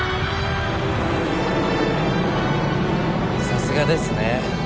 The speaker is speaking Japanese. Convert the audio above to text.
さすがですね！